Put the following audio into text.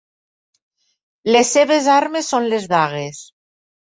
Les seves armes són les dagues.